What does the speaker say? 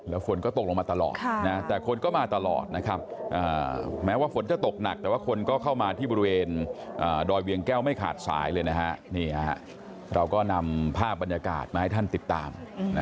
แล้วฝนก็ตกลงมาตลอดแต่คนก็มาตลอดนะครับแม้ว่าฝนจะตกหนักแต่ว่าคนก็เข้ามาที่บริเวณดอยเวียงแก้วไม่ขาดสายเลยนะฮะเราก็นำภาพบรรยากาศมาให้ท่านติดตาม